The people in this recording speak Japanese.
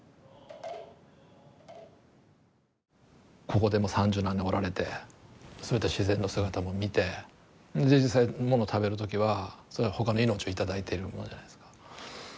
ここでもう三十何年おられてそういった自然の姿も見て実際もの食べる時はそれは他の命を頂いてるものじゃないですか。